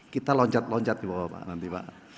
kita loncat loncat juga pak nanti pak